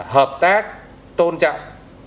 hợp tác tôn trọng